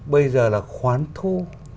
bây giờ là khoán thu